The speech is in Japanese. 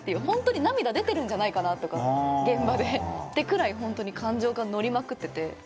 「ホントに涙出てるんじゃないかな現場で」ってくらいホントに感情が乗りまくってて。